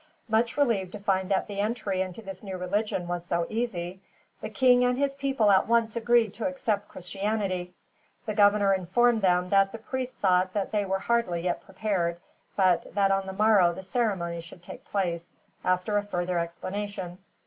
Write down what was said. Much relieved to find that the entry into this new religion was so easy, the king and his people at once agreed to accept Christianity. The governor informed them that the priest thought that they were hardly yet prepared, but that on the morrow the ceremony should take place, after a further explanation.